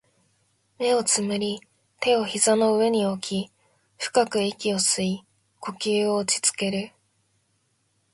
目を瞑り、手を膝の上に置き、深く息を吸い、呼吸を落ち着ける